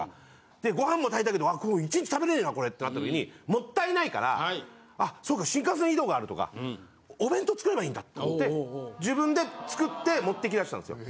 でご飯も炊いたけど１日食べねぇなこれってなったときにもったいないからあそっか新幹線移動があるとかお弁当作ればいいんだって思って自分で作って持っていきだしたんですよ。